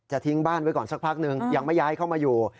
ทิ้งบ้านไว้ก่อนสักพักหนึ่งยังไม่ย้ายเข้ามาอยู่